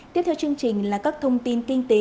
tiếp theo chương trình là các thông tin kinh tế